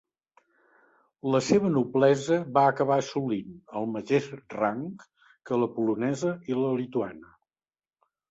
La seva noblesa va acabar assolint el mateix rang que la polonesa i la lituana.